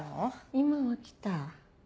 今起きた。